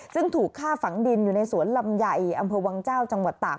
ซึ่งถูกฆ่าฝังดินอยู่ในสวนลำไยอำเภอวังเจ้าจังหวัดตาก